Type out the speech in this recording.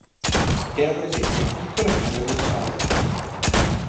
Era presente una piccola pinna dorsale.